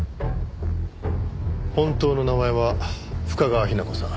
本当の名前は深川日菜子さん。